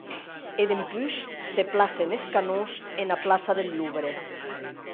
E dempús se placen es canons ena plaça deth Louvre.